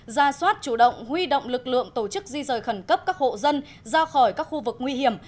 ra soát chủ động huy động lực lượng tổ chức di rời khẩn cấp các hộ dân ra khỏi các khu vực nguy hiểm